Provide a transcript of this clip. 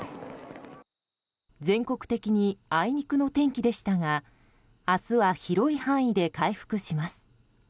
全国的にあいにくの天気でしたが明日は広い範囲で回復します。